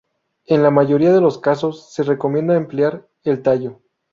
En la mayoría de los casos se recomienda emplear el tallo.